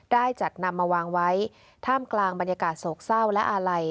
ได้จัดนำมาวางไว้ท่ามกลางบรรยากาศโศกเศร้าและอาลัย